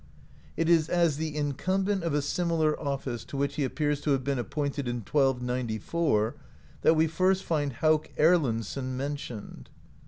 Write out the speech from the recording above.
It is as the incumbent of a similar office, to which he q)pears to have been appointed in 1294, that we first find Hauk Erlendsson mentioned.